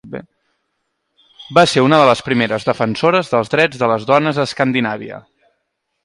Va ser una de les primeres defensores dels drets de les dones a Escandinàvia.